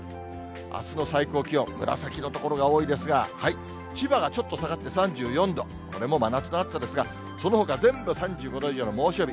あすの最高気温、紫色の所が多いですが、千葉がちょっと下がって３４度、これも真夏の暑さですが、そのほか全部３５度以上の猛暑日。